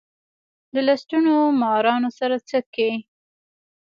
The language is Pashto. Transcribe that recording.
د لستوڼو مارانو سره څه کئ.